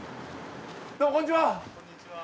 どうもこんにちは。